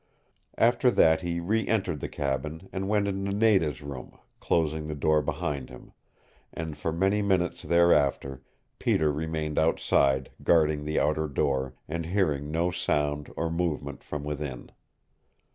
After that he re entered the cabin and went into Nada's room, closing the door behind him; and for many minutes thereafter Peter remained outside guarding the outer door, and hearing no sound or movement from within.